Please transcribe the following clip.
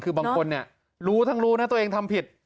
คือบางคนรู้ทั้งรู้นะตัวเองทำผิด